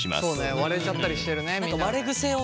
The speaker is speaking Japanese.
そうね割れちゃったりしてるね。